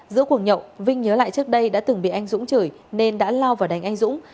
giữa cuồng nhậu vinh nhớ lại trước đây đã từng bị anh dũng chửi nên đã lao vào đánh anh dũng